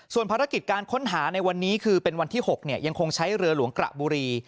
ส่วนภารกิจการค้นหาในวันนี้คือเป็นวันที่๖ยังคงใช้เรือหลวงกระบุรี